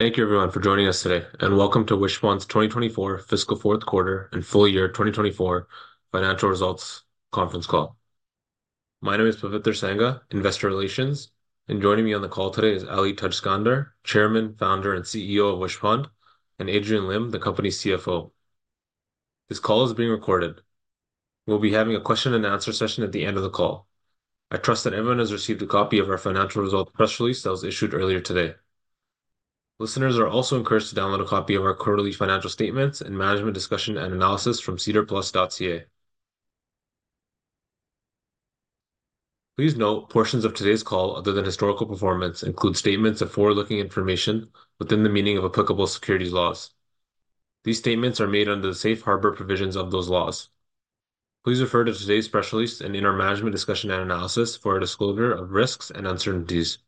Thank you, everyone, for joining us today, and welcome to Wishpond's 2024 Fiscal Fourth Quarter and Full Year 2024 Financial Results Conference Call. My name is Paviter Sangha, Investor Relations, and joining me on the call today is Ali Tajskandar, Chairman, Founder, and CEO of Wishpond, and Adrian Lim, the Company's CFO. This call is being recorded. We'll be having a question-and-answer session at the end of the call. I trust that everyone has received a copy of our financial results press release that was issued earlier today. Listeners are also encouraged to download a copy of our quarterly financial statements and management discussion and analysis from SEDARPlus.ca. Please note portions of today's call, other than historical performance, include statements of forward-looking information within the meaning of applicable securities laws. These statements are made under the safe harbor provisions of those laws. Please refer to today's press release and in our management discussion and analysis for a disclosure of risks and uncertainties.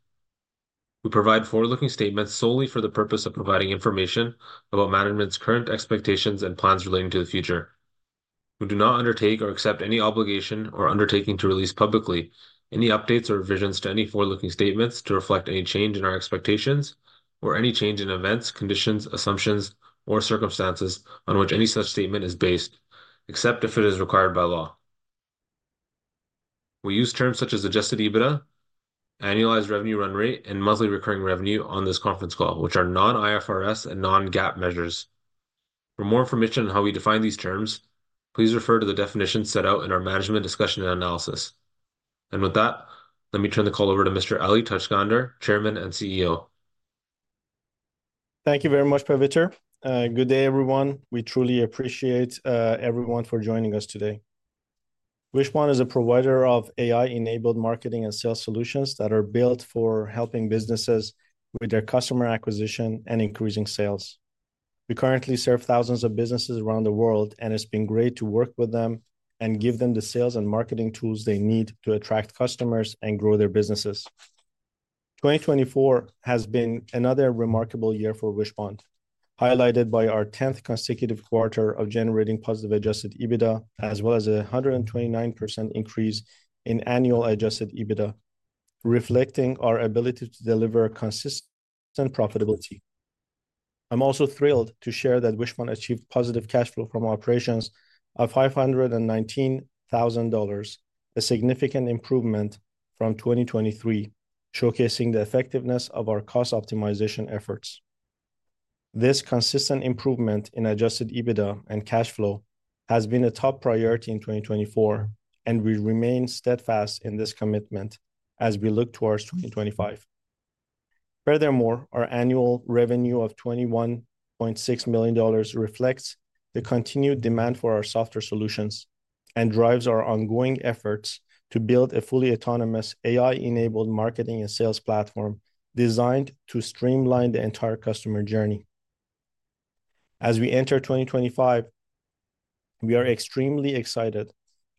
We provide forward-looking statements solely for the purpose of providing information about management's current expectations and plans relating to the future. We do not undertake or accept any obligation or undertaking to release publicly any updates or revisions to any forward-looking statements to reflect any change in our expectations or any change in events, conditions, assumptions, or circumstances on which any such statement is based, except if it is required by law. We use terms such as adjusted EBITDA, annualized revenue run rate, and monthly recurring revenue on this conference call, which are non-IFRS and non-GAAP measures. For more information on how we define these terms, please refer to the definitions set out in our management discussion and analysis. With that, let me turn the call over to Mr. Ali Tajskandar, Chairman and CEO. Thank you very much, Paviter. Good day, everyone. We truly appreciate everyone for joining us today. Wishpond is a provider of AI-enabled marketing and sales solutions that are built for helping businesses with their customer acquisition and increasing sales. We currently serve thousands of businesses around the world, and it's been great to work with them and give them the sales and marketing tools they need to attract customers and grow their businesses. 2024 has been another remarkable year for Wishpond, highlighted by our 10th consecutive quarter of generating positive adjusted EBITDA, as well as a 129% increase in annual adjusted EBITDA, reflecting our ability to deliver consistent profitability. I'm also thrilled to share that Wishpond achieved positive cash flow from operations of $519,000, a significant improvement from 2023, showcasing the effectiveness of our cost optimization efforts. This consistent improvement in adjusted EBITDA and cash flow has been a top priority in 2024, and we remain steadfast in this commitment as we look towards 2025. Furthermore, our annual revenue of $21.6 million reflects the continued demand for our software solutions and drives our ongoing efforts to build a fully autonomous AI-enabled marketing and sales platform designed to streamline the entire customer journey. As we enter 2025, we are extremely excited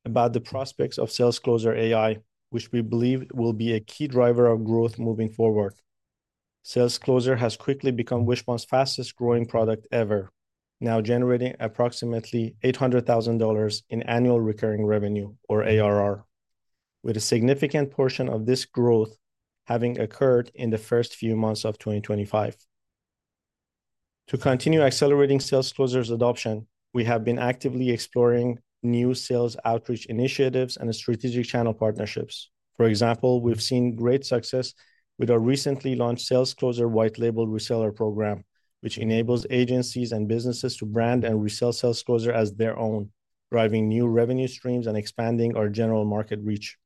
about the prospects of SalesCloser AI, which we believe will be a key driver of growth moving forward. SalesCloser has quickly become Wishpond's fastest-growing product ever, now generating approximately $800,000 in annual recurring revenue, or ARR, with a significant portion of this growth having occurred in the first few months of 2025. To continue accelerating SalesCloser's adoption, we have been actively exploring new sales outreach initiatives and strategic channel partnerships. For example, we've seen great success with our recently launched SalesCloser White Label Reseller Program, which enables agencies and businesses to brand and resell SalesCloser as their own, driving new revenue streams and expanding our general market reach.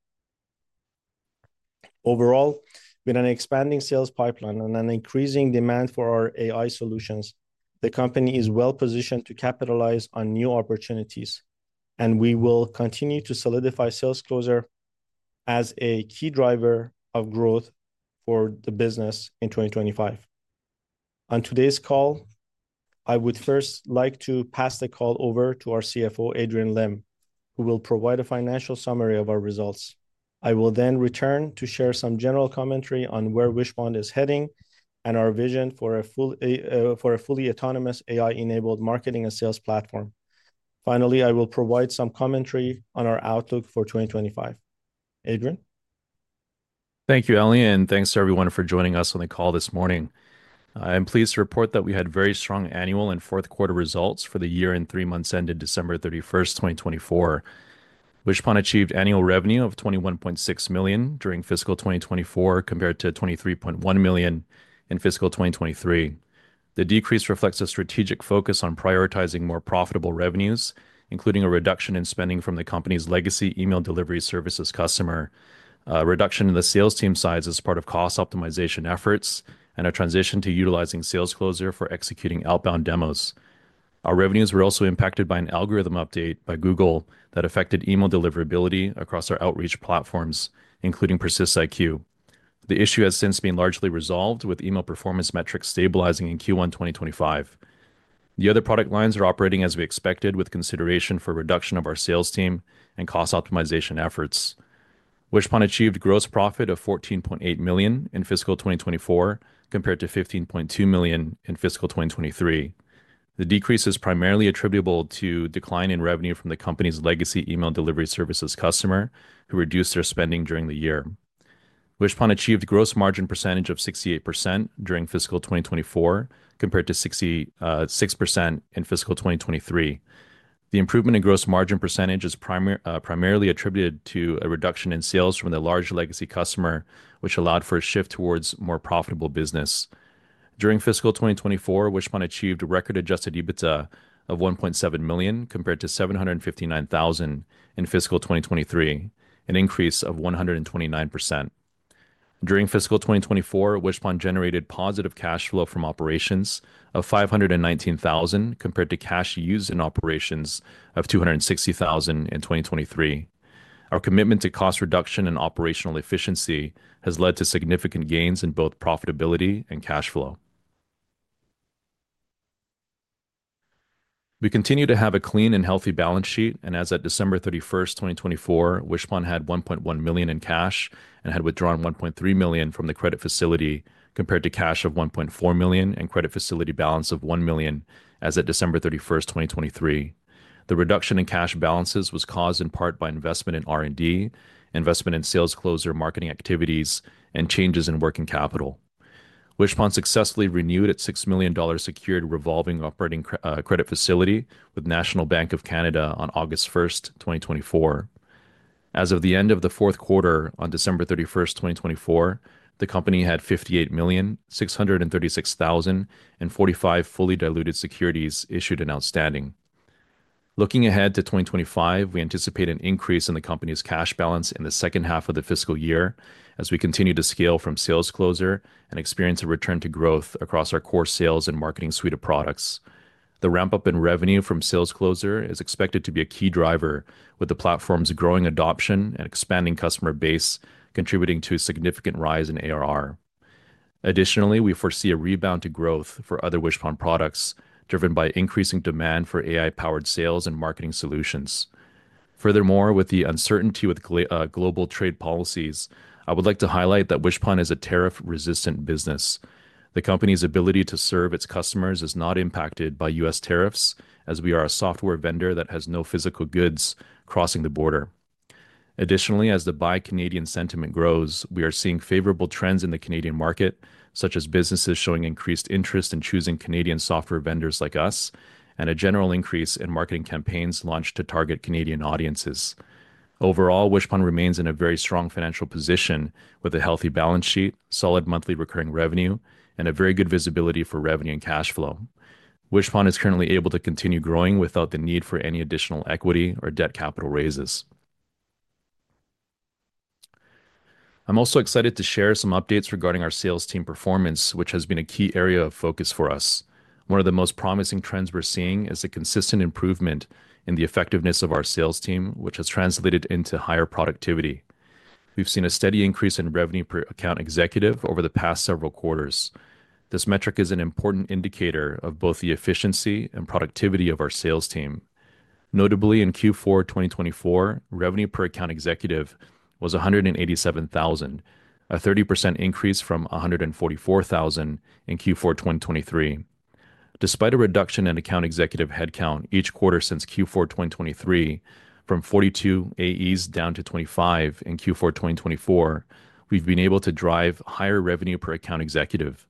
Overall, with an expanding sales pipeline and an increasing demand for our AI solutions, the company is well-positioned to capitalize on new opportunities, and we will continue to solidify SalesCloser as a key driver of growth for the business in 2025. On today's call, I would first like to pass the call over to our CFO, Adrian Lim, who will provide a financial summary of our results. I will then return to share some general commentary on where Wishpond is heading and our vision for a fully autonomous AI-enabled marketing and sales platform. Finally, I will provide some commentary on our outlook for 2025. Adrian? Thank you, Ali, and thanks to everyone for joining us on the call this morning. I'm pleased to report that we had very strong annual and fourth quarter results for the year and three months ended December 31, 2024. Wishpond achieved annual revenue of $21.6 million during fiscal 2024 compared to $23.1 million in fiscal 2023. The decrease reflects a strategic focus on prioritizing more profitable revenues, including a reduction in spending from the company's legacy email delivery services customer, a reduction in the sales team size as part of cost optimization efforts, and a transition to utilizing SalesCloser for executing outbound demos. Our revenues were also impacted by an algorithm update by Google that affected email deliverability across our outreach platforms, including PersistIQ. The issue has since been largely resolved with email performance metrics stabilizing in Q1 2025. The other product lines are operating as we expected with consideration for reduction of our sales team and cost optimization efforts. Wishpond achieved gross profit of $14.8 million in fiscal 2024 compared to $15.2 million in fiscal 2023. The decrease is primarily attributable to a decline in revenue from the company's legacy email delivery services customer, who reduced their spending during the year. Wishpond achieved a gross margin percentage of 68% during fiscal 2024 compared to 66% in fiscal 2023. The improvement in gross margin percentage is primarily attributed to a reduction in sales from the large legacy customer, which allowed for a shift towards a more profitable business. During fiscal 2024, Wishpond achieved a record adjusted EBITDA of $1.7 million compared to $759,000 in fiscal 2023, an increase of 129%. During fiscal 2024, Wishpond generated positive cash flow from operations of $519,000 compared to cash used in operations of $260,000 in 2023. Our commitment to cost reduction and operational efficiency has led to significant gains in both profitability and cash flow. We continue to have a clean and healthy balance sheet, and as of December 31, 2024, Wishpond had $1.1 million in cash and had withdrawn $1.3 million from the credit facility compared to cash of $1.4 million and credit facility balance of $1 million as of December 31, 2023. The reduction in cash balances was caused in part by investment in R&D, investment in SalesCloser marketing activities, and changes in working capital. Wishpond successfully renewed its $6 million secured revolving operating credit facility with National Bank of Canada on August 1, 2024. As of the end of the fourth quarter on December 31, 2024, the company had $58,636,045 fully diluted securities issued and outstanding. Looking ahead to 2025, we anticipate an increase in the company's cash balance in the second half of the fiscal year as we continue to scale from SalesCloser and experience a return to growth across our core sales and marketing suite of products. The ramp-up in revenue from SalesCloser is expected to be a key driver, with the platform's growing adoption and expanding customer base contributing to a significant rise in ARR. Additionally, we foresee a rebound to growth for other Wishpond products driven by increasing demand for AI-powered sales and marketing solutions. Furthermore, with the uncertainty with global trade policies, I would like to highlight that Wishpond is a tariff-resistant business. The company's ability to serve its customers is not impacted by U.S. tariffs, as we are a software vendor that has no physical goods crossing the border. Additionally, as the buy Canadian sentiment grows, we are seeing favorable trends in the Canadian market, such as businesses showing increased interest in choosing Canadian software vendors like us and a general increase in marketing campaigns launched to target Canadian audiences. Overall, Wishpond remains in a very strong financial position with a healthy balance sheet, solid monthly recurring revenue, and a very good visibility for revenue and cash flow. Wishpond is currently able to continue growing without the need for any additional equity or debt capital raises. I'm also excited to share some updates regarding our sales team performance, which has been a key area of focus for us. One of the most promising trends we're seeing is the consistent improvement in the effectiveness of our sales team, which has translated into higher productivity. We've seen a steady increase in revenue per account executive over the past several quarters. This metric is an important indicator of both the efficiency and productivity of our sales team. Notably, in Q4 2024, revenue per account executive was $187,000, a 30% increase from $144,000 in Q4 2023. Despite a reduction in account executive headcount each quarter since Q4 2023 from 42 AEs down to 25 in Q4 2024, we've been able to drive higher revenue per account executive.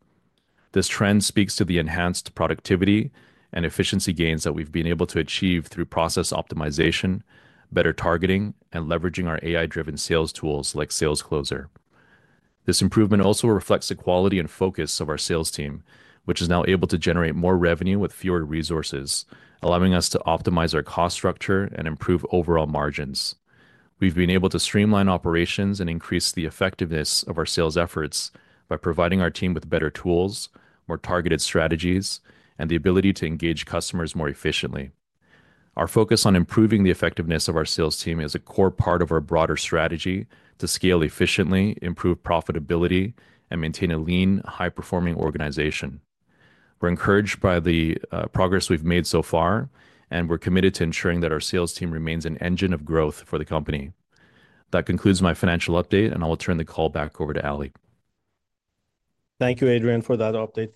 This trend speaks to the enhanced productivity and efficiency gains that we've been able to achieve through process optimization, better targeting, and leveraging our AI-driven sales tools like SalesCloser. This improvement also reflects the quality and focus of our sales team, which is now able to generate more revenue with fewer resources, allowing us to optimize our cost structure and improve overall margins. We've been able to streamline operations and increase the effectiveness of our sales efforts by providing our team with better tools, more targeted strategies, and the ability to engage customers more efficiently. Our focus on improving the effectiveness of our sales team is a core part of our broader strategy to scale efficiently, improve profitability, and maintain a lean, high-performing organization. We're encouraged by the progress we've made so far, and we're committed to ensuring that our sales team remains an engine of growth for the company. That concludes my financial update, and I will turn the call back over to Ali. Thank you, Adrian, for that update.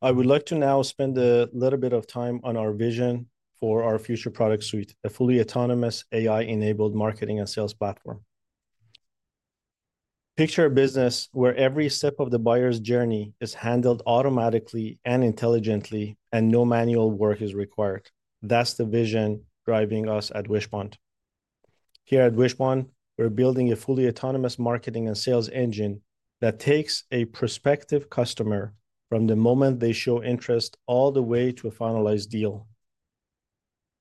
I would like to now spend a little bit of time on our vision for our future product suite, a fully autonomous AI-enabled marketing and sales platform. Picture a business where every step of the buyer's journey is handled automatically and intelligently, and no manual work is required. That's the vision driving us at Wishpond. Here at Wishpond, we're building a fully autonomous marketing and sales engine that takes a prospective customer from the moment they show interest all the way to a finalized deal.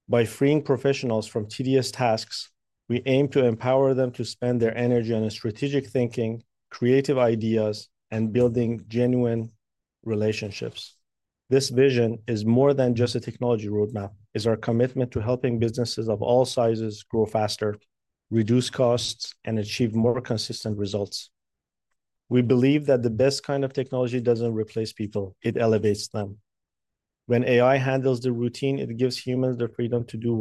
By freeing professionals from tedious tasks, we aim to empower them to spend their energy on strategic thinking, creative ideas, and building genuine relationships. This vision is more than just a technology roadmap. It's our commitment to helping businesses of all sizes grow faster, reduce costs, and achieve more consistent results. We believe that the best kind of technology doesn't replace people; it elevates them. When AI handles the routine, it gives humans the freedom to do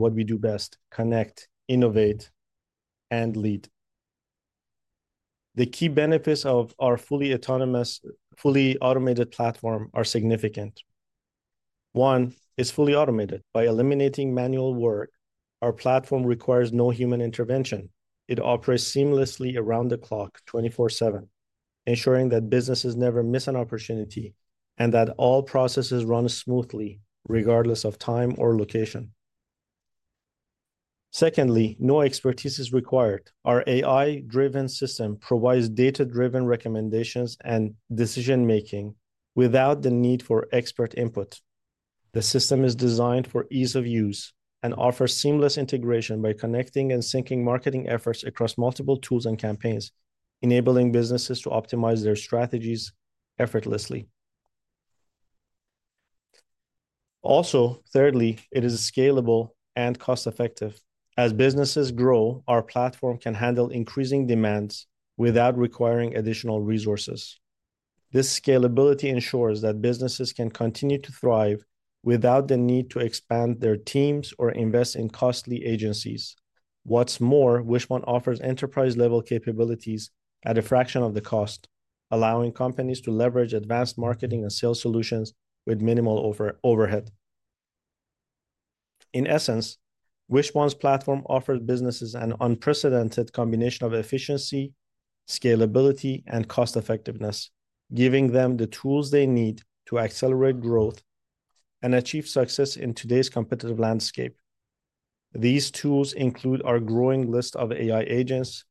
what we do best: connect, innovate, and lead. The key benefits of our fully automated platform are significant. One, it's fully automated. By eliminating manual work, our platform requires no human intervention. It operates seamlessly around the clock, 24/7, ensuring that businesses never miss an opportunity and that all processes run smoothly, regardless of time or location. Secondly, no expertise is required. Our AI-driven system provides data-driven recommendations and decision-making without the need for expert input. The system is designed for ease of use and offers seamless integration by connecting and syncing marketing efforts across multiple tools and campaigns, enabling businesses to optimize their strategies effortlessly. Also, thirdly, it is scalable and cost-effective. As businesses grow, our platform can handle increasing demands without requiring additional resources. This scalability ensures that businesses can continue to thrive without the need to expand their teams or invest in costly agencies. What's more, Wishpond offers enterprise-level capabilities at a fraction of the cost, allowing companies to leverage advanced marketing and sales solutions with minimal overhead. In essence, Wishpond's platform offers businesses an unprecedented combination of efficiency, scalability, and cost-effectiveness, giving them the tools they need to accelerate growth and achieve success in today's competitive landscape. These tools include our growing list of AI agents,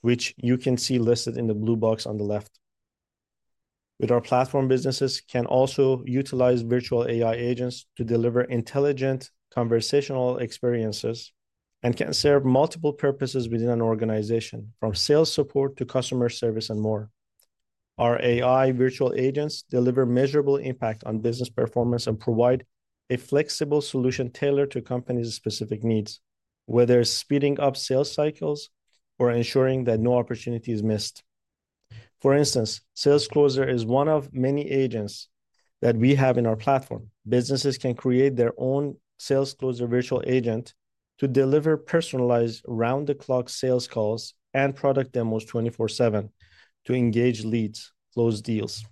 which you can see listed in the blue box on the left. With our platform, businesses can also utilize virtual AI agents to deliver intelligent conversational experiences and can serve multiple purposes within an organization, from sales support to customer service and more. Our AI virtual agents deliver measurable impact on business performance and provide a flexible solution tailored to companies' specific needs, whether it's speeding up sales cycles or ensuring that no opportunity is missed. For instance, SalesCloser is one of many agents that we have in our platform. Businesses can create their own SalesCloser virtual agent to deliver personalized round-the-clock sales calls and product demos 24/7, to engage leads, close deals.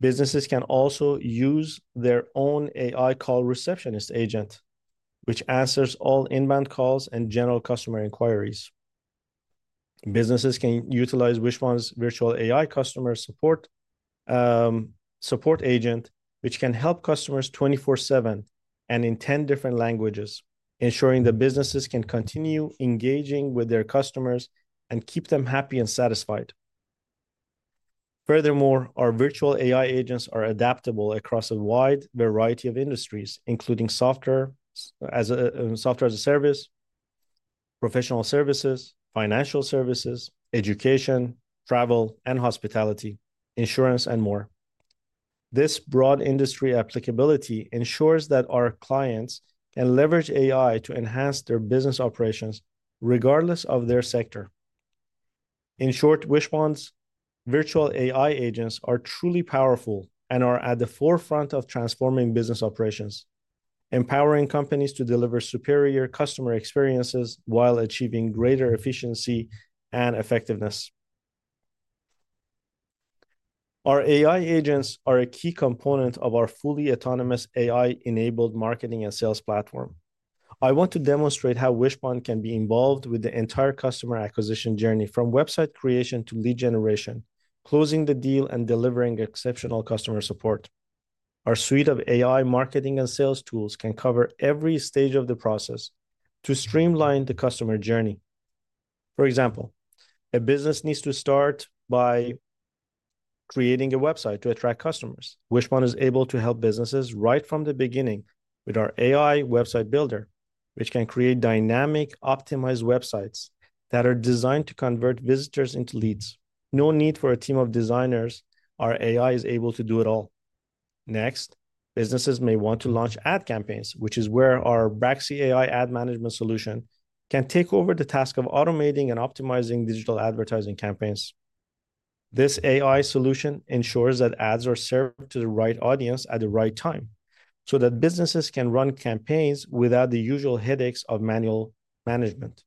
Businesses can also use their own AI call receptionist agent, which answers all inbound calls and general customer inquiries. Businesses can utilize Wishpond's virtual AI customer support agent, which can help customers 24/7 and in 10 different languages, ensuring that businesses can continue engaging with their customers and keep them happy and satisfied. Furthermore, our virtual AI agents are adaptable across a wide variety of industries, including software as a service, professional services, financial services, education, travel and hospitality, insurance, and more. This broad industry applicability ensures that our clients can leverage AI to enhance their business operations regardless of their sector. In short, Wishpond's virtual AI agents are truly powerful and are at the forefront of transforming business operations, empowering companies to deliver superior customer experiences while achieving greater efficiency and effectiveness. Our AI agents are a key component of our fully autonomous AI-enabled marketing and sales platform. I want to demonstrate how Wishpond can be involved with the entire customer acquisition journey, from website creation to lead generation, closing the deal and delivering exceptional customer support. Our suite of AI marketing and sales tools can cover every stage of the process to streamline the customer journey. For example, a business needs to start by creating a website to attract customers. Wishpond is able to help businesses right from the beginning with our AI Website Builder, which can create dynamic, optimized websites that are designed to convert visitors into leads. No need for a team of designers; our AI is able to do it all. Next, businesses may want to launch ad campaigns, which is where our Braxy AI ad management solution can take over the task of automating and optimizing digital advertising campaigns. This AI solution ensures that ads are served to the right audience at the right time so that businesses can run campaigns without the usual headaches of manual management.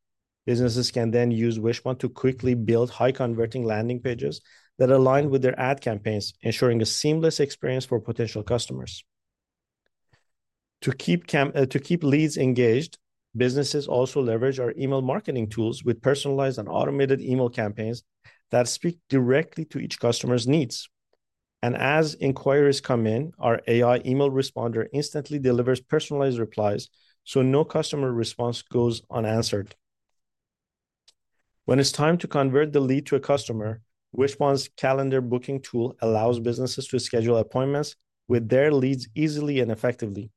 Businesses can then use Wishpond to quickly build high-converting landing pages that align with their ad campaigns, ensuring a seamless experience for potential customers. To keep leads engaged, businesses also leverage our email marketing tools with personalized and automated email campaigns that speak directly to each customer's needs. As inquiries come in, our AI Email Responder instantly delivers personalized replies, so no customer response goes unanswered. When it's time to convert the lead to a customer, Wishpond's Calendar Booking Tool allows businesses to schedule appointments with their leads easily and effectively.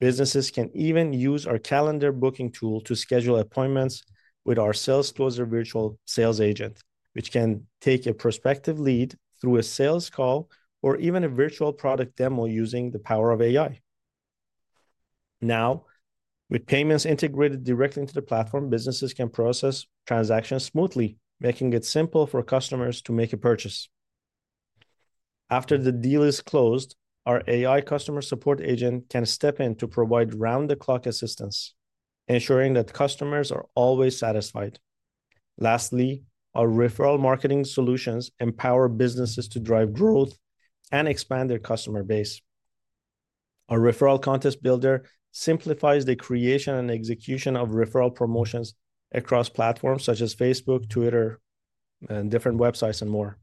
Businesses can even use our Calendar Booking Tool to schedule appointments with our SalesCloser AI virtual sales agent, which can take a prospective lead through a sales call or even a virtual product demo using the power of AI. Now, with payments integrated directly into the platform, businesses can process transactions smoothly, making it simple for customers to make a purchase. After the deal is closed, our AI Customer Support Agent can step in to provide round-the-clock assistance, ensuring that customers are always satisfied. Lastly, our referral marketing solutions empower businesses to drive growth and expand their customer base. Our Referral Contest Builder simplifies the creation and execution of referral promotions across platforms such as Facebook, Twitter, different websites, and more.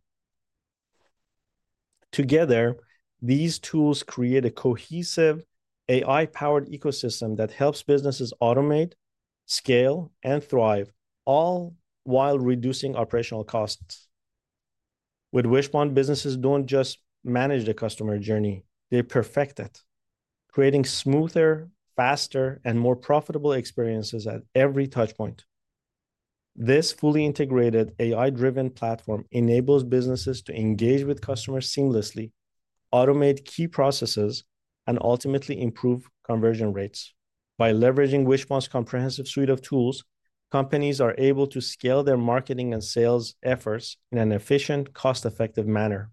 Together, these tools create a cohesive AI-powered ecosystem that helps businesses automate, scale, and thrive, all while reducing operational costs. With Wishpond, businesses do not just manage the customer journey; they perfect it, creating smoother, faster, and more profitable experiences at every touchpoint. This fully integrated AI-driven platform enables businesses to engage with customers seamlessly, automate key processes, and ultimately improve conversion rates. By leveraging Wishpond's comprehensive suite of tools, companies are able to scale their marketing and sales efforts in an efficient, cost-effective manner.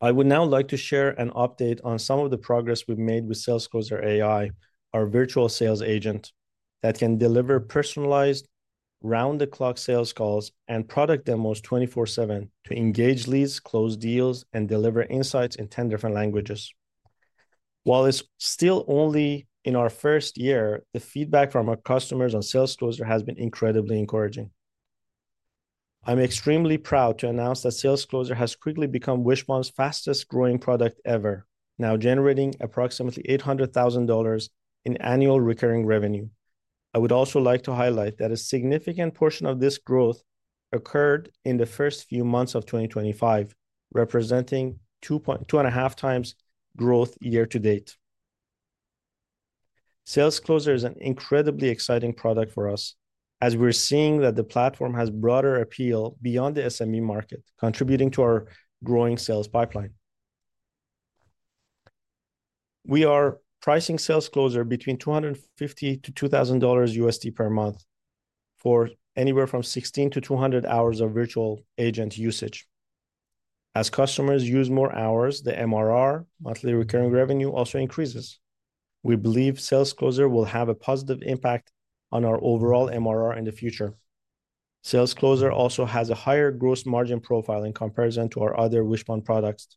I would now like to share an update on some of the progress we've made with SalesCloser AI, our virtual sales agent that can deliver personalized, round-the-clock sales calls and product demos 24/7 to engage leads, close deals, and deliver insights in 10 different languages. While it's still only in our first year, the feedback from our customers on SalesCloser has been incredibly encouraging. I'm extremely proud to announce that SalesCloser has quickly become Wishpond's fastest-growing product ever, now generating approximately $800,000 in annual recurring revenue. I would also like to highlight that a significant portion of this growth occurred in the first few months of 2025, representing two and a half times growth year to date. SalesCloser is an incredibly exciting product for us, as we're seeing that the platform has broader appeal beyond the SME market, contributing to our growing sales pipeline. We are pricing SalesCloser between $250-$2,000 USD per month for anywhere from 16-200 hours of virtual agent usage. As customers use more hours, the MRR, monthly recurring revenue, also increases. We believe SalesCloser will have a positive impact on our overall MRR in the future. SalesCloser also has a higher gross margin profile in comparison to our other Wishpond products,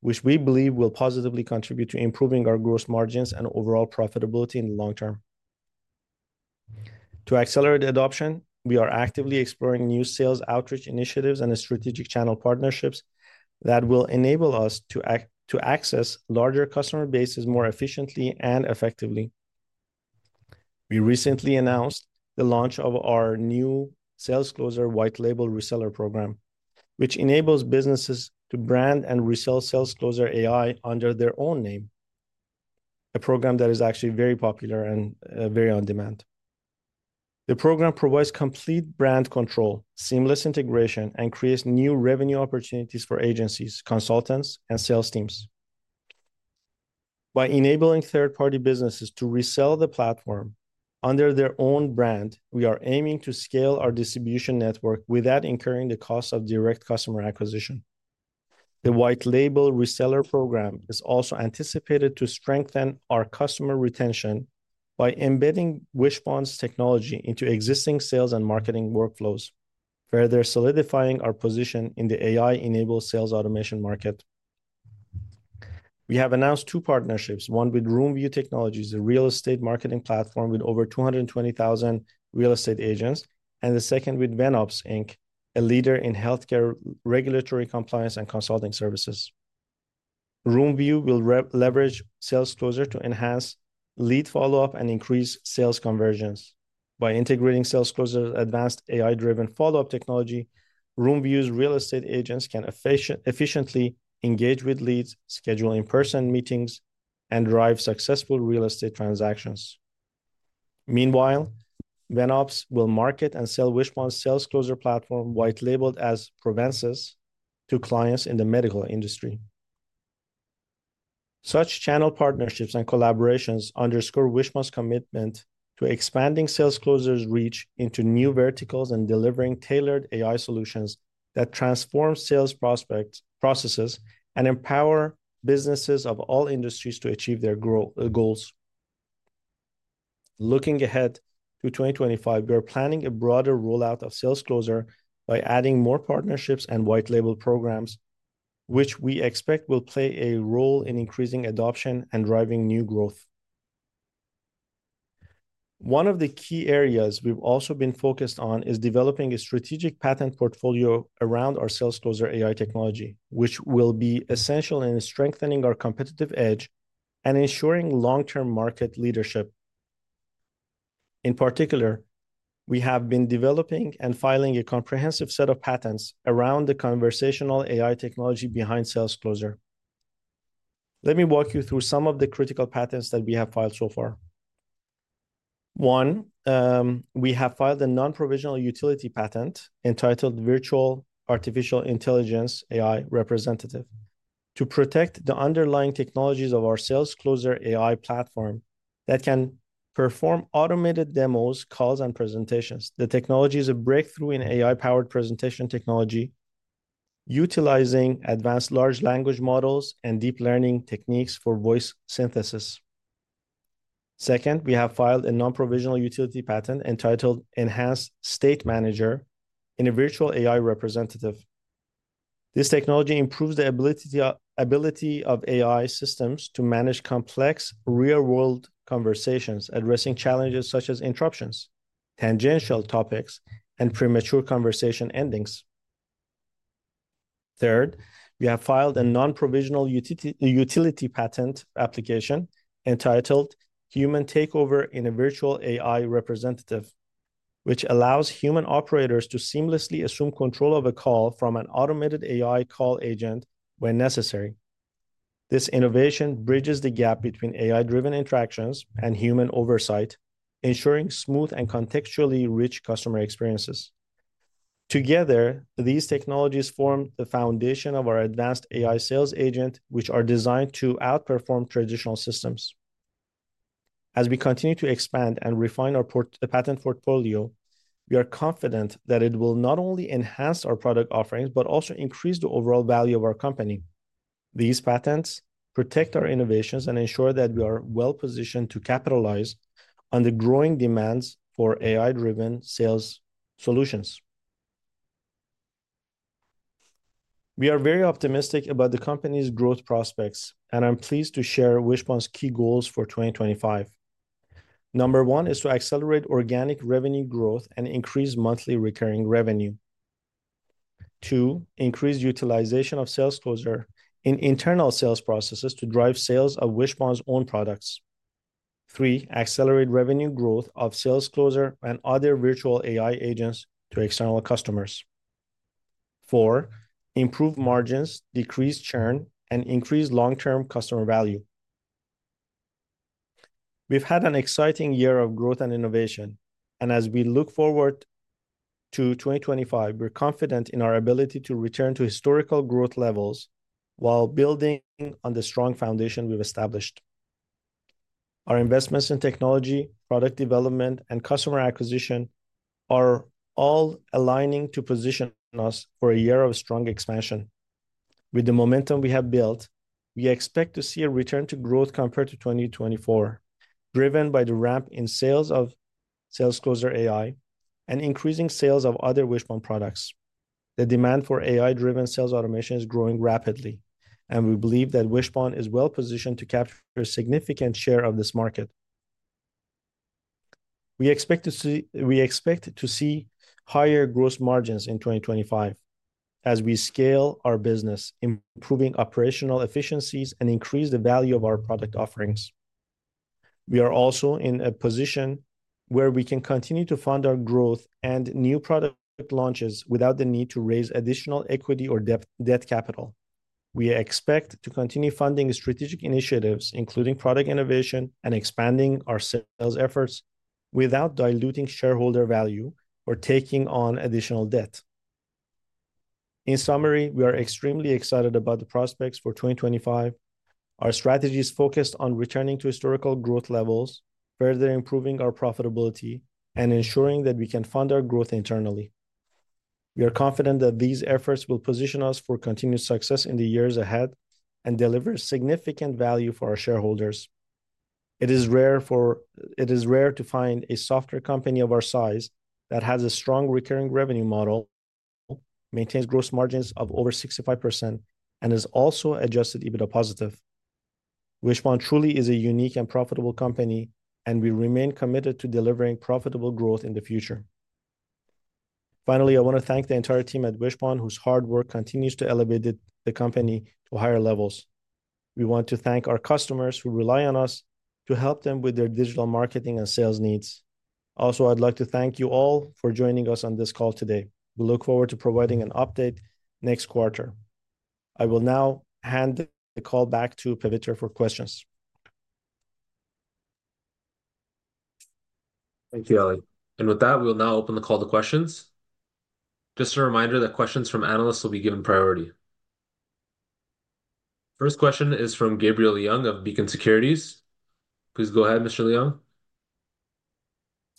which we believe will positively contribute to improving our gross margins and overall profitability in the long term. To accelerate adoption, we are actively exploring new sales outreach initiatives and strategic channel partnerships that will enable us to access larger customer bases more efficiently and effectively. We recently announced the launch of our new SalesCloser white-label reseller program, which enables businesses to brand and resell SalesCloser AI under their own name, a program that is actually very popular and very in demand. The program provides complete brand control, seamless integration, and creates new revenue opportunities for agencies, consultants, and sales teams. By enabling third-party businesses to resell the platform under their own brand, we are aiming to scale our distribution network without incurring the cost of direct customer acquisition. The white-label reseller program is also anticipated to strengthen our customer retention by embedding Wishpond's technology into existing sales and marketing workflows, further solidifying our position in the AI-enabled sales automation market. We have announced two partnerships: one with Roomview Technologies, a real estate marketing platform with over 220,000 real estate agents, and the second with VenOps, Inc., a leader in healthcare regulatory compliance and consulting services. Roomview will leverage SalesCloser AI to enhance lead follow-up and increase sales conversions. By integrating SalesCloser's advanced AI-driven follow-up technology, Roomview's real estate agents can efficiently engage with leads, schedule in-person meetings, and drive successful real estate transactions. Meanwhile, VenOps will market and sell Wishpond's SalesCloser platform, white-labeled as Provensis, to clients in the medical industry. Such channel partnerships and collaborations underscore Wishpond's commitment to expanding SalesCloser's reach into new verticals and delivering tailored AI solutions that transform sales processes and empower businesses of all industries to achieve their goals. Looking ahead to 2025, we're planning a broader rollout of SalesCloser by adding more partnerships and white-label programs, which we expect will play a role in increasing adoption and driving new growth. One of the key areas we've also been focused on is developing a strategic patent portfolio around our SalesCloser AI technology, which will be essential in strengthening our competitive edge and ensuring long-term market leadership. In particular, we have been developing and filing a comprehensive set of patents around the conversational AI technology behind SalesCloser. Let me walk you through some of the critical patents that we have filed so far. One, we have filed a non-provisional utility patent entitled Virtual Artificial Intelligence AI Representative to protect the underlying technologies of our SalesCloser AI platform that can perform automated demos, calls, and presentations. The technology is a breakthrough in AI-powered presentation technology, utilizing advanced large language models and deep learning techniques for voice synthesis. Second, we have filed a non-provisional utility patent entitled Enhanced State Manager in a Virtual AI Representative. This technology improves the ability of AI systems to manage complex real-world conversations, addressing challenges such as interruptions, tangential topics, and premature conversation endings. Third, we have filed a non-provisional utility patent application entitled Human Takeover in a Virtual AI Representative, which allows human operators to seamlessly assume control of a call from an automated AI call agent when necessary. This innovation bridges the gap between AI-driven interactions and human oversight, ensuring smooth and contextually rich customer experiences. Together, these technologies form the foundation of our advanced AI sales agent, which are designed to outperform traditional systems. As we continue to expand and refine our patent portfolio, we are confident that it will not only enhance our product offerings but also increase the overall value of our company. These patents protect our innovations and ensure that we are well-positioned to capitalize on the growing demands for AI-driven sales solutions. We are very optimistic about the company's growth prospects, and I'm pleased to share Wishpond's key goals for 2025. Number one is to accelerate organic revenue growth and increase monthly recurring revenue. Two, increase utilization of SalesCloser in internal sales processes to drive sales of Wishpond's own products. Three, accelerate revenue growth of SalesCloser and other virtual AI agents to external customers. Four, improve margins, decrease churn, and increase long-term customer value. We've had an exciting year of growth and innovation, and as we look forward to 2025, we're confident in our ability to return to historical growth levels while building on the strong foundation we've established. Our investments in technology, product development, and customer acquisition are all aligning to position us for a year of strong expansion. With the momentum we have built, we expect to see a return to growth compared to 2024, driven by the ramp in sales of SalesCloser AI and increasing sales of other Wishpond products. The demand for AI-driven sales automation is growing rapidly, and we believe that Wishpond is well-positioned to capture a significant share of this market. We expect to see higher gross margins in 2025 as we scale our business, improving operational efficiencies and increasing the value of our product offerings. We are also in a position where we can continue to fund our growth and new product launches without the need to raise additional equity or debt capital. We expect to continue funding strategic initiatives, including product innovation and expanding our sales efforts without diluting shareholder value or taking on additional debt. In summary, we are extremely excited about the prospects for 2025. Our strategy is focused on returning to historical growth levels, further improving our profitability, and ensuring that we can fund our growth internally. We are confident that these efforts will position us for continued success in the years ahead and deliver significant value for our shareholders. It is rare to find a software company of our size that has a strong recurring revenue model, maintains gross margins of over 65%, and is also adjusted EBITDA positive. Wishpond truly is a unique and profitable company, and we remain committed to delivering profitable growth in the future. Finally, I want to thank the entire team at Wishpond, whose hard work continues to elevate the company to higher levels. We want to thank our customers who rely on us to help them with their digital marketing and sales needs. Also, I'd like to thank you all for joining us on this call today. We look forward to providing an update next quarter. I will now hand the call back to Paviter for questions. Thank you, Ali. With that, we'll now open the call to questions. Just a reminder that questions from analysts will be given priority. First question is from Gabriel Leung of Beacon Securities. Please go ahead, Mr. Leung.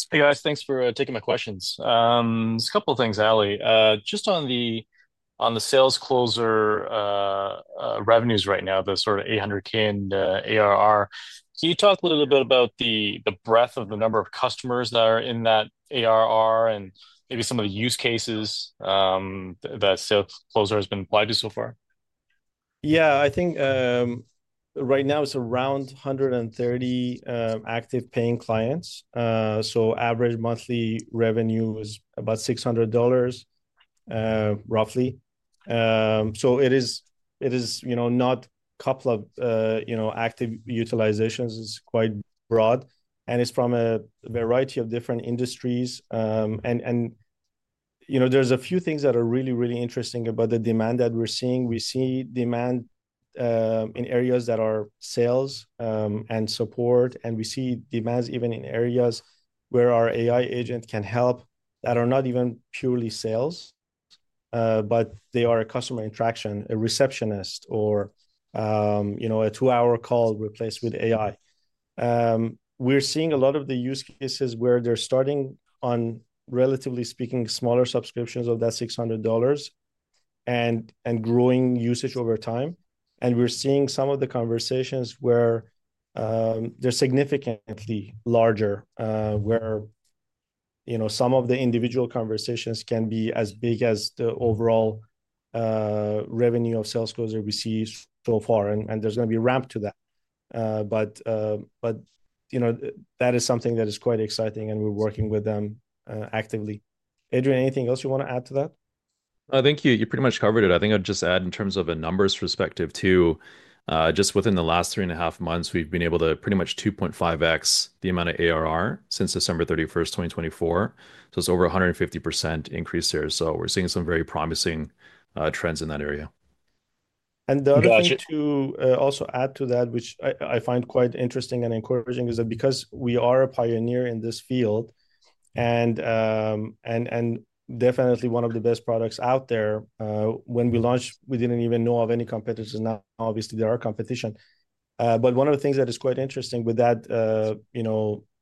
Hey, guys. Thanks for taking my questions. Just a couple of things, Ali. Just on the SalesCloser revenues right now, the sort of $800,000 in ARR. Can you talk a little bit about the breadth of the number of customers that are in that ARR, and maybe some of the use cases that SalesCloser has been applied to so far? Yeah, I think right now it's around 130 active paying clients. So average monthly revenue is about $600, roughly. It is not a couple of active utilizations. It's quite broad, and it's from a variety of different industries. There are a few things that are really, really interesting about the demand that we're seeing. We see demand in areas that are sales and support, and we see demands even in areas where our AI agent can help that are not even purely sales, but they are a customer interaction, a receptionist, or a two-hour call replaced with AI. We're seeing a lot of the use cases where they're starting on, relatively speaking, smaller subscriptions of that $600 and growing usage over time. We're seeing some of the conversations where they're significantly larger, where some of the individual conversations can be as big as the overall revenue of SalesCloser we see so far. There is going to be a ramp to that. That is something that is quite exciting, and we're working with them actively. Adrian, anything else you want to add to that? I think you pretty much covered it. I think I'd just add in terms of a numbers perspective, too. Just within the last three and a half months, we've been able to pretty much 2.5x the amount of ARR since December 31, 2024. It is over 150% increase there. We are seeing some very promising trends in that area. The other thing to also add to that, which I find quite interesting and encouraging, is that because we are a pioneer in this field and definitely one of the best products out there, when we launched, we did not even know of any competitors. Now, obviously, there are competition. One of the things that is quite interesting with that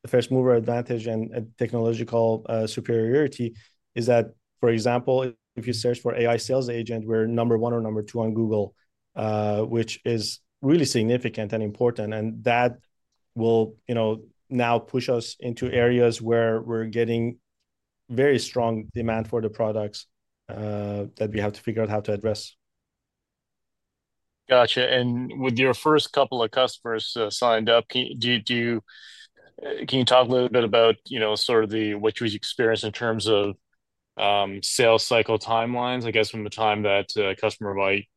first-mover advantage and technological superiority is that, for example, if you search for AI sales agent, we are number one or number two on Google, which is really significant and important. That will now push us into areas where we're getting very strong demand for the products that we have to figure out how to address. Gotcha. With your first couple of customers signed up, can you talk a little bit about sort of what you experience in terms of sales cycle timelines, I guess, from the time that a customer might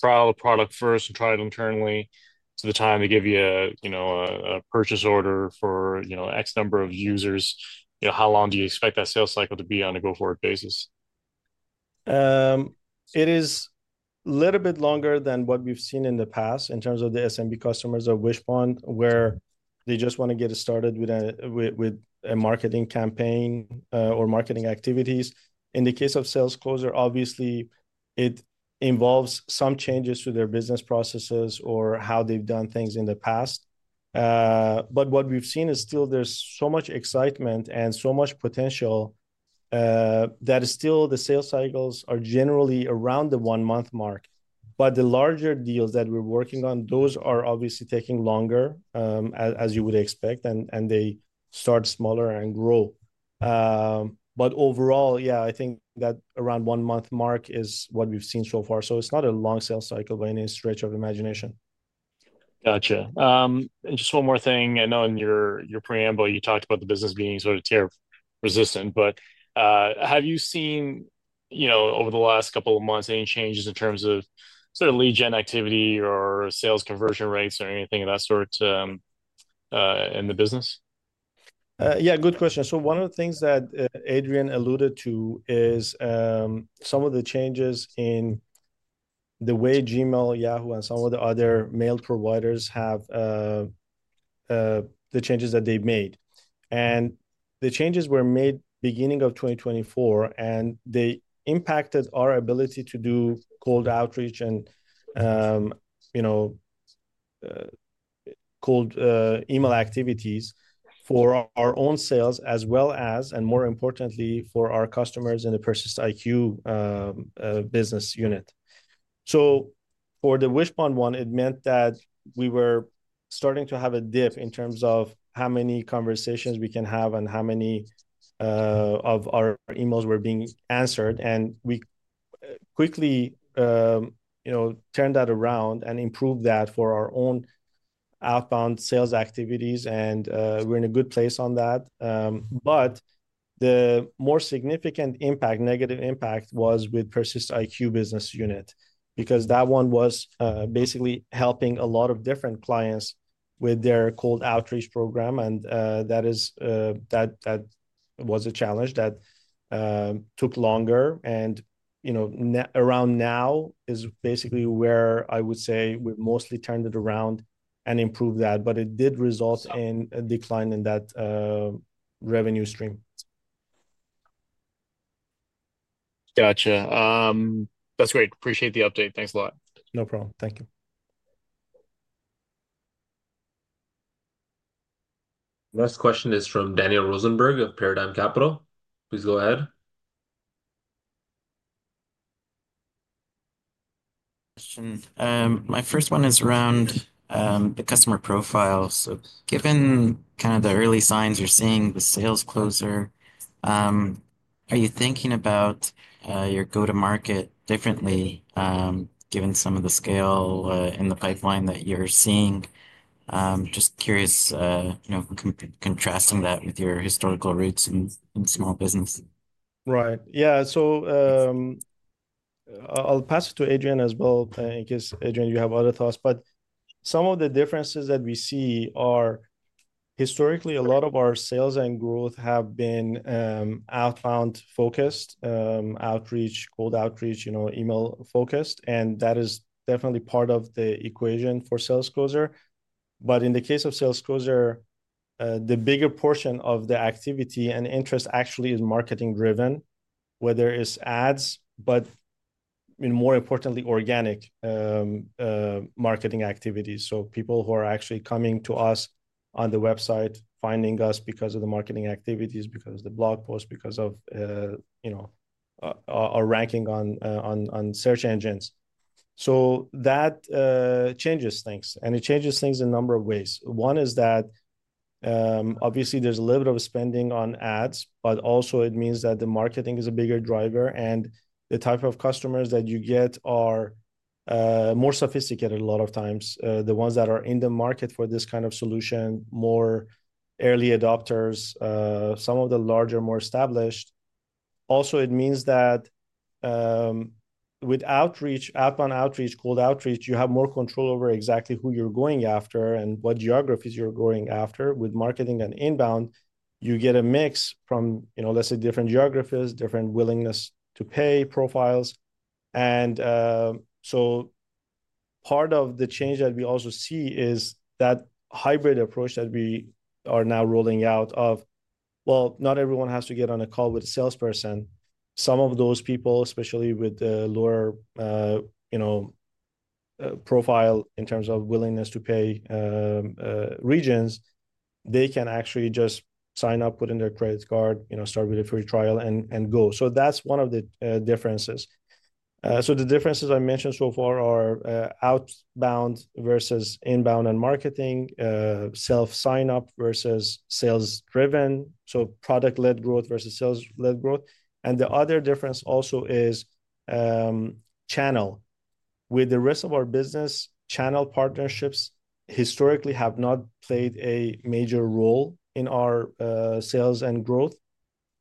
trial the product first and try it internally to the time they give you a purchase order for X number of users? How long do you expect that sales cycle to be on a go-forward basis? It is a little bit longer than what we've seen in the past in terms of the SMB customers of Wishpond, where they just want to get started with a marketing campaign or marketing activities. In the case of SalesCloser, obviously, it involves some changes to their business processes or how they've done things in the past. What we've seen is still there's so much excitement and so much potential that still the sales cycles are generally around the one-month mark. The larger deals that we're working on, those are obviously taking longer, as you would expect, and they start smaller and grow. Overall, yeah, I think that around one-month mark is what we've seen so far. It is not a long sales cycle by any stretch of imagination. Gotcha. Just one more thing. I know in your preamble, you talked about the business being sort of tier-resistant. Have you seen, over the last couple of months, any changes in terms of sort of lead gen activity or sales conversion rates or anything of that sort in the business? Yeah, good question. One of the things that Adrian alluded to is some of the changes in the way Gmail, Yahoo, and some of the other mail providers have the changes that they've made. The changes were made beginning of 2024, and they impacted our ability to do cold outreach and cold email activities for our own sales as well as, and more importantly, for our customers in the PersistIQ business unit. For the Wishpond one, it meant that we were starting to have a dip in terms of how many conversations we can have and how many of our emails were being answered. We quickly turned that around and improved that for our own outbound sales activities, and we're in a good place on that. The more significant impact, negative impact, was with PersistIQ business unit because that one was basically helping a lot of different clients with their cold outreach program. That was a challenge that took longer. Around now is basically where I would say we've mostly turned it around and improved that. It did result in a decline in that revenue stream. Gotcha. That's great. Appreciate the update. Thanks a lot. No problem. Thank you. Last question is from Daniel Rosenberg of Paradigm Capital. Please go ahead. My first one is around the customer profiles. Given kind of the early signs you're seeing with SalesCloser, are you thinking about your go-to-market differently, given some of the scale in the pipeline that you're seeing? Just curious, contrasting that with your historical roots in small business. Right. Yeah. I'll pass it to Adrian as well in case Adrian, you have other thoughts. Some of the differences that we see are historically, a lot of our sales and growth have been outbound-focused, outreach, cold outreach, email-focused. That is definitely part of the equation for SalesCloser. In the case of SalesCloser, the bigger portion of the activity and interest actually is marketing-driven, whether it's ads, but more importantly, organic marketing activities. People who are actually coming to us on the website, finding us because of the marketing activities, because of the blog posts, because of our ranking on search engines. That changes things. It changes things in a number of ways. One is that, obviously, there's a little bit of spending on ads, but also it means that the marketing is a bigger driver. The type of customers that you get are more sophisticated a lot of times, the ones that are in the market for this kind of solution, more early adopters, some of the larger, more established. It also means that with outbound outreach, cold outreach, you have more control over exactly who you're going after and what geographies you're going after. With marketing and inbound, you get a mix from, let's say, different geographies, different willingness-to-pay profiles. Part of the change that we also see is that hybrid approach that we are now rolling out of, not everyone has to get on a call with a salesperson. Some of those people, especially with the lower profile in terms of willingness-to-pay regions, they can actually just sign up, put in their credit card, start with a free trial, and go. That's one of the differences. The differences I mentioned so far are outbound versus inbound and marketing, self-sign-up versus sales-driven, so product-led growth versus sales-led growth. The other difference also is channel. With the rest of our business, channel partnerships historically have not played a major role in our sales and growth.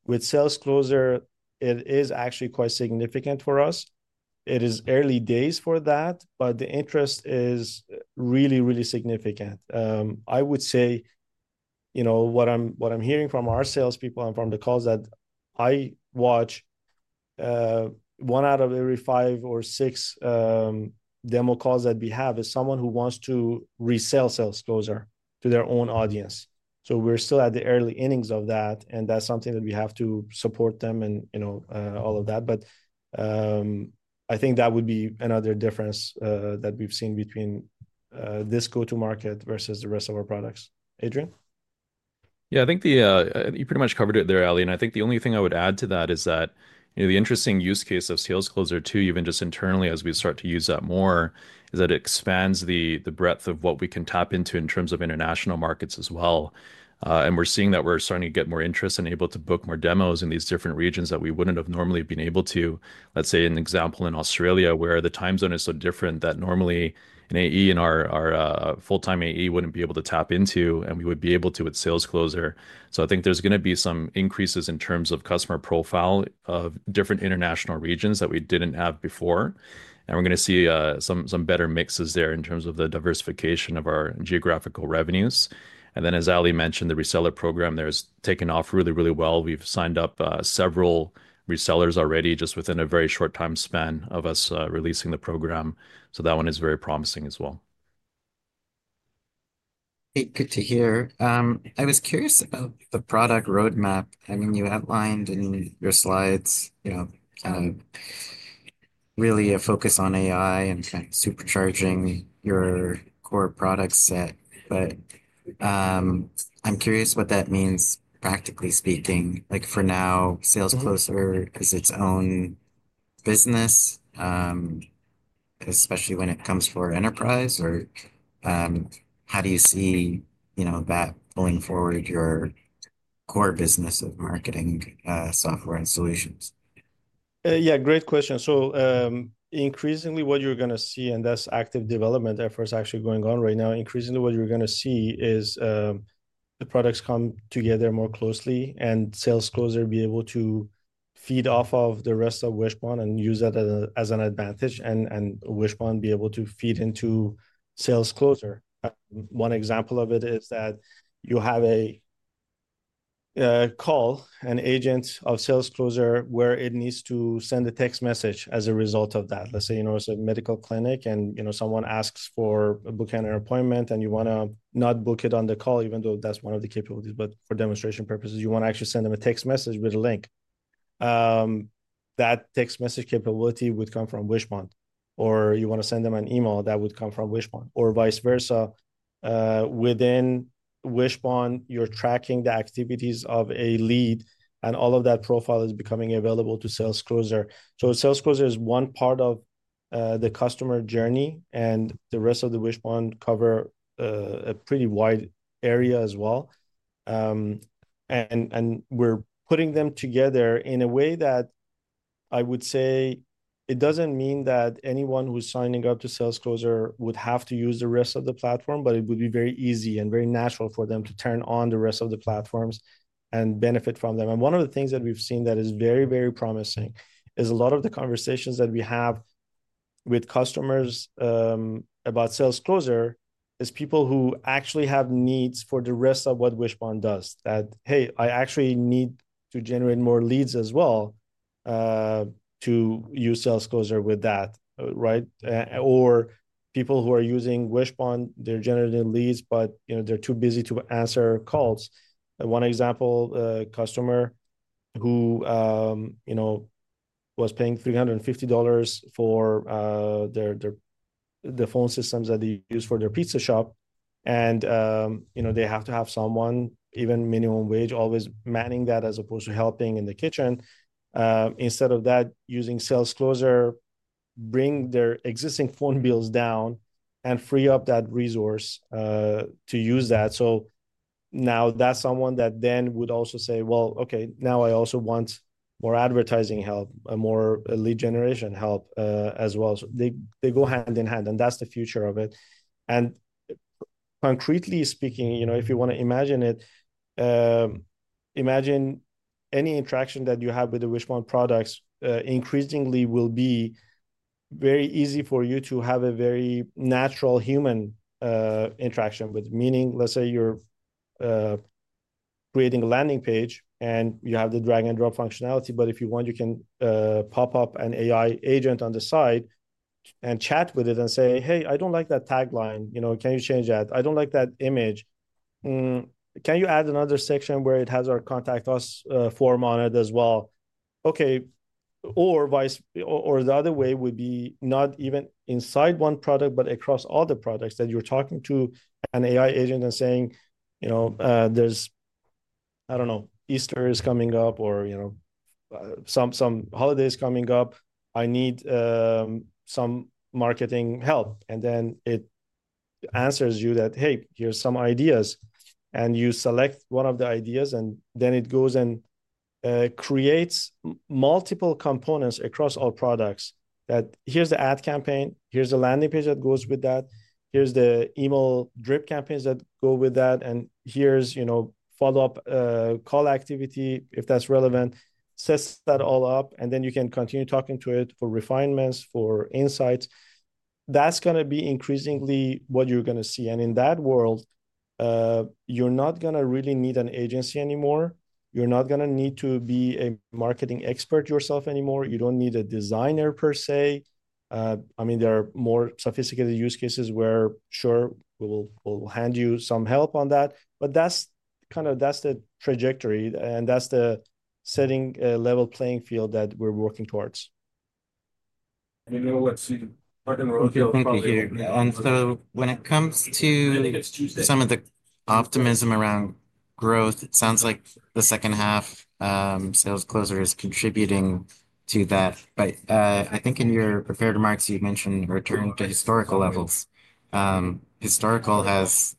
With SalesCloser, it is actually quite significant for us. It is early days for that, but the interest is really, really significant. I would say what I'm hearing from our salespeople and from the calls that I watch, one out of every five or six demo calls that we have is someone who wants to resell SalesCloser to their own audience. We are still at the early innings of that, and that is something that we have to support them and all of that. I think that would be another difference that we've seen between this go-to-market versus the rest of our products. Adrian? Yeah, I think you pretty much covered it there, Ali. I think the only thing I would add to that is that the interesting use case of SalesCloser too, even just internally as we start to use that more, is that it expands the breadth of what we can tap into in terms of international markets as well. We're seeing that we're starting to get more interest and able to book more demos in these different regions that we wouldn't have normally been able to. Let's say an example in Australia where the time zone is so different that normally an AE and our full-time AE wouldn't be able to tap into, and we would be able to with SalesCloser. I think there's going to be some increases in terms of customer profile of different international regions that we didn't have before. We're going to see some better mixes there in terms of the diversification of our geographical revenues. As Ali mentioned, the reseller program there has taken off really, really well. We've signed up several resellers already just within a very short time span of us releasing the program. That one is very promising as well. Good to hear. I was curious about the product roadmap. I mean, you outlined in your slides really a focus on AI and kind of supercharging your core product set. I'm curious what that means, practically speaking. For now, SalesCloser is its own business, especially when it comes for enterprise. How do you see that pulling forward your core business of marketing software and solutions? Yeah, great question. Increasingly, what you're going to see, and that's active development efforts actually going on right now, increasingly, what you're going to see is the products come together more closely, and SalesCloser be able to feed off of the rest of Wishpond and use that as an advantage and Wishpond be able to feed into SalesCloser. One example of it is that you have a call, an agent of SalesCloser where it needs to send a text message as a result of that. Let's say it's a medical clinic and someone asks for booking an appointment, and you want to not book it on the call, even though that's one of the capabilities, but for demonstration purposes, you want to actually send them a text message with a link. That text message capability would come from Wishpond. You want to send them an email that would come from Wishpond. Or vice versa. Within Wishpond, you're tracking the activities of a lead, and all of that profile is becoming available to SalesCloser. SalesCloser is one part of the customer journey, and the rest of the Wishpond cover a pretty wide area as well. We're putting them together in a way that I would say it doesn't mean that anyone who's signing up to SalesCloser would have to use the rest of the platform, but it would be very easy and very natural for them to turn on the rest of the platforms and benefit from them. One of the things that we've seen that is very, very promising is a lot of the conversations that we have with customers about SalesCloser is people who actually have needs for the rest of what Wishpond does. That, "Hey, I actually need to generate more leads as well to use SalesCloser with that," right? Or people who are using Wishpond, they're generating leads, but they're too busy to answer calls. One example, a customer who was paying $350 for the phone systems that they use for their pizza shop, and they have to have someone, even minimum wage, always manning that as opposed to helping in the kitchen. Instead of that, using SalesCloser, bring their existing phone bills down and free up that resource to use that. Now that's someone that then would also say, "Well, okay, now I also want more advertising help, more lead generation help as well." They go hand in hand, and that's the future of it. Concretely speaking, if you want to imagine it, imagine any interaction that you have with the Wishpond products increasingly will be very easy for you to have a very natural human interaction with. Meaning, let's say you're creating a landing page and you have the drag-and-drop functionality, but if you want, you can pop up an AI agent on the side and chat with it and say, "Hey, I don't like that tagline. Can you change that? I don't like that image. Can you add another section where it has our contact us form on it as well?" Okay. The other way would be not even inside one product, but across all the products that you're talking to an AI agent and saying, "There's, I don't know, Easter is coming up or some holiday is coming up. I need some marketing help." It answers you that, "Hey, here's some ideas." You select one of the ideas, and it creates multiple components across all products: "Here's the ad campaign. Here's the landing page that goes with that. Here's the email drip campaigns that go with that. And here's follow-up call activity if that's relevant." It sets that all up, and you can continue talking to it for refinements, for insights. That is going to be increasingly what you're going to see. In that world, you're not going to really need an agency anymore. You're not going to need to be a marketing expert yourself anymore. You do not need a designer per se. I mean, there are more sophisticated use cases where, sure, we'll hand you some help on that. That's kind of the trajectory, and that's the setting level playing field that we're working towards. Let's see. Martin Rosenfeld here. When it comes to some of the optimism around growth, it sounds like the second half, SalesCloser is contributing to that. I think in your prepared remarks, you mentioned a return to historical levels. Historical has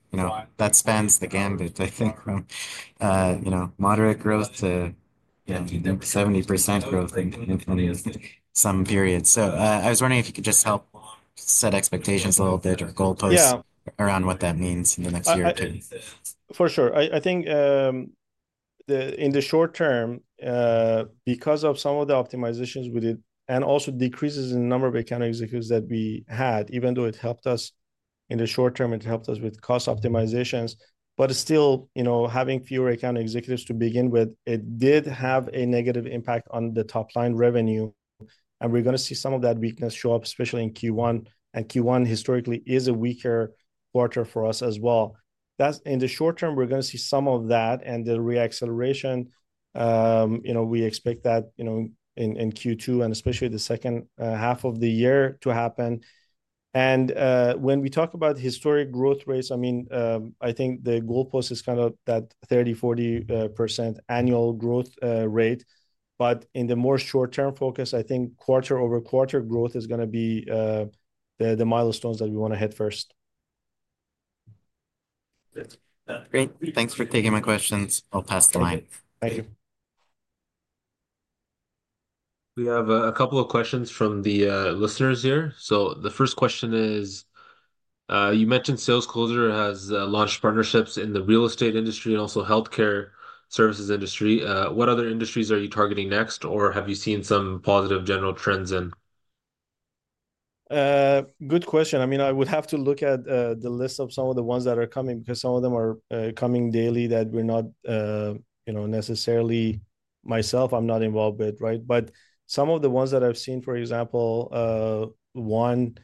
that spans the gambit, I think, from moderate growth to 70% growth in some periods. I was wondering if you could just help set expectations a little bit or goalposts around what that means in the next year or two. For sure. I think in the short term, because of some of the optimizations we did and also decreases in the number of account executives that we had, even though it helped us in the short term, it helped us with cost optimizations. Still, having fewer account executives to begin with, it did have a negative impact on the top-line revenue. We're going to see some of that weakness show up, especially in Q1. Q1 historically is a weaker quarter for us as well. In the short term, we're going to see some of that and the reacceleration. We expect that in Q2 and especially the second half of the year to happen. When we talk about historic growth rates, I mean, I think the goalpost is kind of that 30-40% annual growth rate. In the more short-term focus, I think quarter-over-quarter growth is going to be the milestones that we want to hit first. Great. Thanks for taking my questions. I'll pass the mic. Thank you. We have a couple of questions from the listeners here. The first question is, you mentioned SalesCloser has launched partnerships in the real estate industry and also healthcare services industry. What other industries are you targeting next, or have you seen some positive general trends in? Good question. I mean, I would have to look at the list of some of the ones that are coming because some of them are coming daily that we're not necessarily myself, I'm not involved with, right? But some of the ones that I've seen, for example, one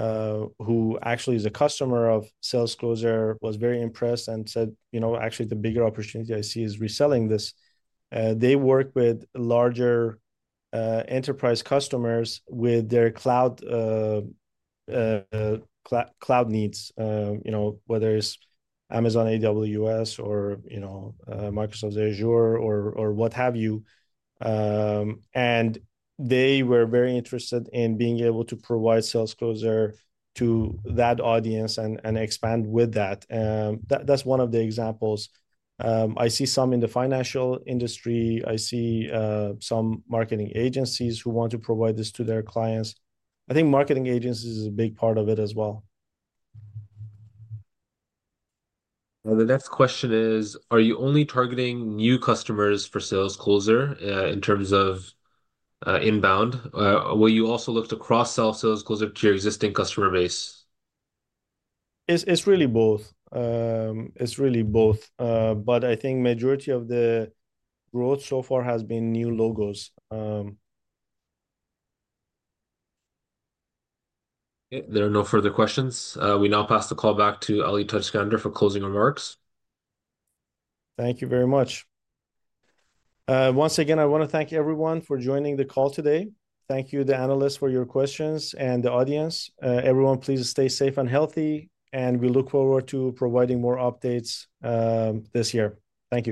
who actually is a customer of SalesCloser was very impressed and said, "Actually, the bigger opportunity I see is reselling this." They work with larger enterprise customers with their cloud needs, whether it's Amazon AWS or Microsoft Azure or what have you. They were very interested in being able to provide SalesCloser to that audience and expand with that. That's one of the examples. I see some in the financial industry. I see some marketing agencies who want to provide this to their clients. I think marketing agencies is a big part of it as well. Now, the next question is, are you only targeting new customers for SalesCloser in terms of inbound? Will you also look to cross-sell SalesCloser to your existing customer base? It's really both. It's really both. I think majority of the growth so far has been new logos. There are no further questions. We now pass the call back to Ali Tajskandar for closing remarks. Thank you very much. Once again, I want to thank everyone for joining the call today. Thank you, the analysts, for your questions and the audience. Everyone, please stay safe and healthy, and we look forward to providing more updates this year. Thank you.